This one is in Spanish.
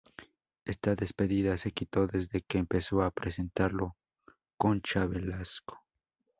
Esta despedida se quitó desde que empezó a presentarlo Concha Velasco.